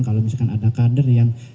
kalau misalkan ada kader yang